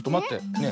ねえ。